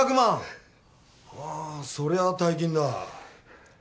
ああそりゃ大金だ。